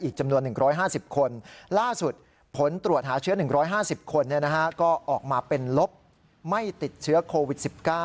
๑๕๐คนก็ออกมาเป็นลบไม่ติดเชื้อโควิด๑๙